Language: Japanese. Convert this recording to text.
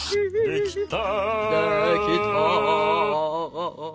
「できた」